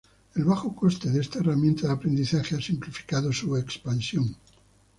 El bajo coste de esta herramienta de aprendizaje ha simplificado su expansión.